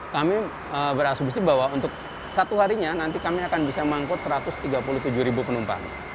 kami berasumsi bahwa untuk satu harinya nanti kami akan bisa mengangkut satu ratus tiga puluh tujuh ribu penumpang